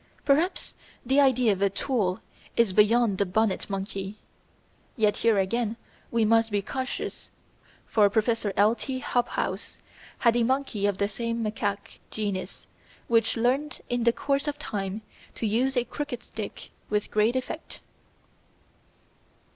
Perhaps the idea of a "tool" is beyond the Bonnet Monkey, yet here again we must be cautious, for Professor L. T. Hobhouse had a monkey of the same macaque genus which learned in the course of time to use a crooked stick with great effect.